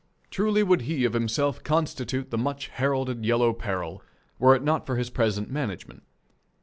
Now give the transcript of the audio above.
Truly would he of himself constitute the much heralded Yellow Peril were it not for his present management.